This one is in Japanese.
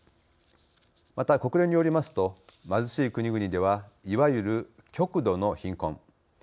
また国連によりますと貧しい国々ではいわゆる極度の貧困。